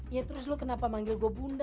ya terus lu kenapa manggil gua bunda